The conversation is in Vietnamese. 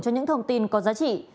cho những thông tin có giá trị